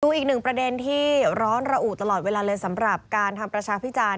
อีกหนึ่งประเด็นที่ร้อนระอุตลอดเวลาเลยสำหรับการทำประชาพิจารณ